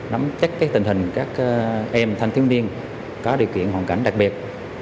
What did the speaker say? nắm chắc tình hình các em thanh thiếu niên có điều kiện hoàn cảnh đặc biệt